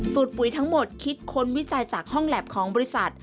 ปุ๋ยทั้งหมดคิดค้นวิจัยจากห้องแล็บของบริษัท